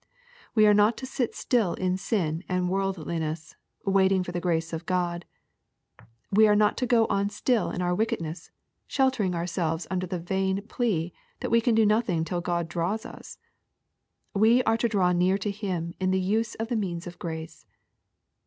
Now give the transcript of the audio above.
We are not to sit still in sin and worldliness, waiting for the grace of God. We are not to go on stiU in our wickedness, sheltering ourselves under the vain plea that we can do nothing till God draws us. We are to draw near to Him in the use of the means of grace.